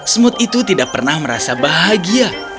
semut itu tidak pernah merasa bahagia